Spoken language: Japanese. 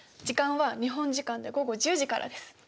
時間は日本時間で午後１０時からです。